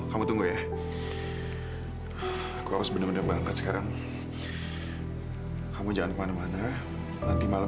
kamu hanya upgrade mental daya daya